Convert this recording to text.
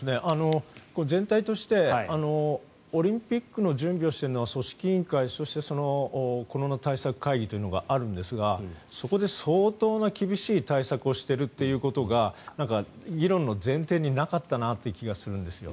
全体としてオリンピックの準備をしているのは組織委員会そして、コロナ対策会議というのがあるんですがそこで相当な厳しい対策をしているということが議論の前提になかったなという気がするんですよ。